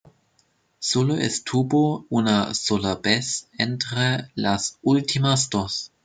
Solo estuvo una sola vez entre las últimas dos.